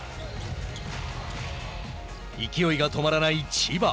勢いが止まらない千葉。